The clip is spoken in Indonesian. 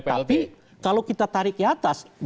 tapi kalau kita tarik ke atas